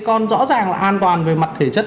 con rõ ràng là an toàn về mặt thể chất